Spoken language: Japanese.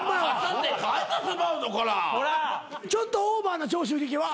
ちょっとオーバーな長州力は？